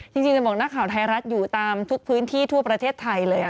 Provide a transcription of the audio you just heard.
จริงจะบอกนักข่าวไทยรัฐอยู่ตามทุกพื้นที่ทั่วประเทศไทยเลย